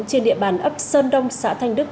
trên địa bàn ấp sơn đông xã thanh đức